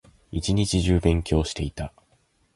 一日中勉強していた